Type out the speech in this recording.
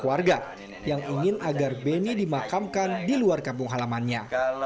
warga yang ingin agar beni dimakamkan di luar kampung halamannya